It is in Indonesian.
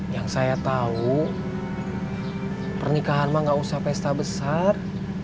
yang saya tahu pernikahan mah gak usah pesta besar